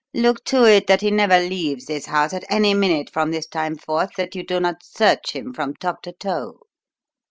Look to it that he never leaves this house at any minute from this time forth that you do not search him from top to toe.